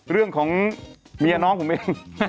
เรื่องของเมียน้องผมเอง